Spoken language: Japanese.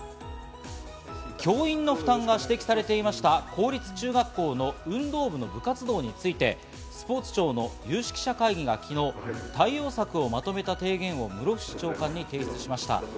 教員の負担が指摘されていました公立中学校の運動部の部活動について、スポーツ庁の有識者会議が昨日、対応策をまとめた提言を室伏長官に提出しました。